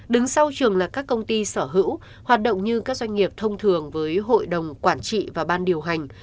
đứng sau trường là các công ty sở hữu hoạt động như các doanh nghiệp thông thường với hội đồng quản trị và ban điều hành